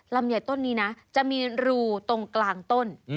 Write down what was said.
ลำใหญ่ต้นนี้นะจะมีรูตรงกลางต้น